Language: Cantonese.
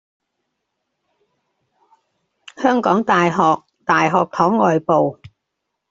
香港大學大學堂外部